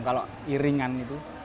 kalau iringan itu